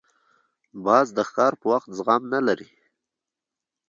باز د ښکار پر وخت زغم نه لري